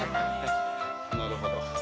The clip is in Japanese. なるほど。